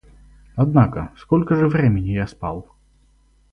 Однако, сколько же времени я спал?